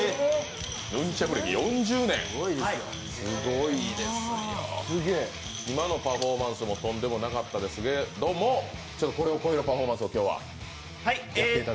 ヌンチャク歴４０年、今のパフォーマンスもとんでもなかったですけど、これを超えるパフォーマンスを今日はやっていただけると。